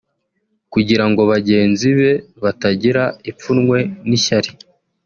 kugira ngo bagenzi be batagira ipfunwe n’ishyari